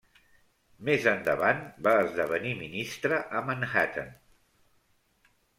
Més endavant va esdevenir ministre a Manhattan.